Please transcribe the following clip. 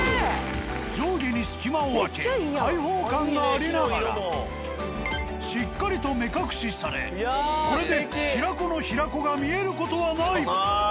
上下に隙間を空け開放感がありながらしっかりと目隠しされこれで平子の平子が見える事はない。